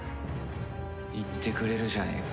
言ってくれるじゃねえか。